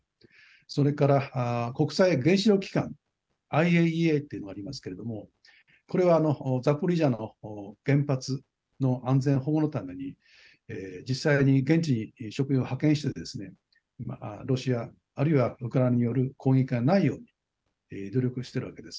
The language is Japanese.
それから国際原子力機関ＩＡＥＡというのがありますけどもこれはあのザポリージャの原発の安全保護のために実際に現地に職員を派遣してですねロシアあるいはウクライナによる攻撃がないように努力しているわけです。